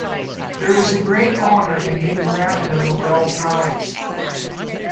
There is a great honour in being granted a Nobel prize.